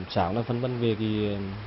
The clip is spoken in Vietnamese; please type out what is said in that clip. sáng đã phân vân về